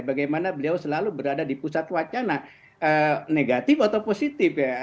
bagaimana beliau selalu berada di pusat wacana negatif atau positif ya